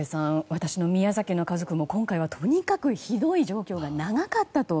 私の宮崎の家族も今回はひどい状況が長かったと。